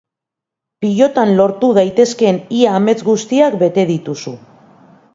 Pilotan lortu daitezkeen ia amets guztiak bete dituzu.